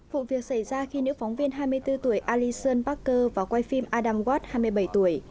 vụ việc xảy ra khi nữ phóng viên hai mươi bốn tuổi alison parker và quay phim adam watt hai mươi bảy tuổi